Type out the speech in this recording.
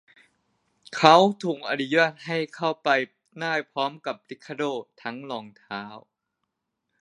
เขาถูกอนุญาตให้เข้าไปได้พร้อมกับริคาโด้ทั้งรองเท้า